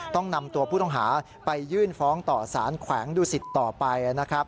ต้องนำตัวผู้ต้องหาไปยื่นฟ้องต่อสารแขวงดุสิตต่อไปนะครับ